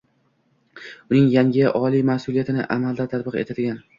uning yangi “oliy mas’uliyati”ni amalda tatbiq etadigan